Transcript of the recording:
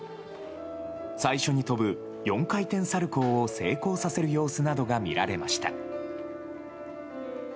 最初に跳ぶ４回転サルコーを成功させる様子などが見られました。